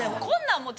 こんなん。